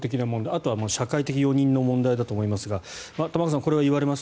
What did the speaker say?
あとは社会的な容認の問題だと思いますが玉川さん、これはいわれます。